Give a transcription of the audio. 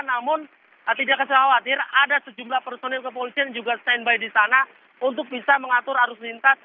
namun tidak usah khawatir ada sejumlah personil kepolisian juga standby di sana untuk bisa mengatur arus lintas